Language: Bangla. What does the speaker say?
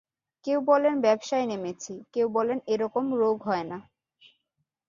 কেউ বলেন ব্যবসায় নেমেছি, কেউ বলেন এ রকম রোগ হয় না।